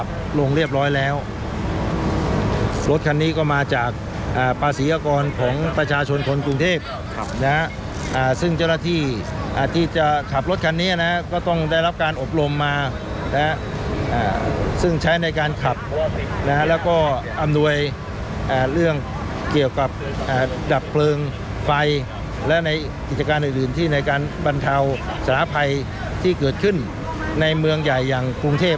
ตรงเรียบร้อยแล้วรถคันนี้ก็มาจากอ่าประสิทธิ์อากรของประชาชนคนกรุงเทพฯนะฮะอ่าซึ่งเจ้าหน้าที่อ่าที่จะขับรถคันนี้นะฮะก็ต้องได้รับการอบรมมานะฮะอ่าซึ่งใช้ในการขับนะฮะแล้วก็อำนวยอ่าเรื่องเกี่ยวกับอ่าดับเปลืองไฟและในกิจการอื่นอื่นที่ในการบรรเทาสถาภัยที่เกิดขึ้นในเมือง